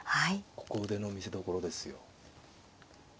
ここ腕の見せどころですよ。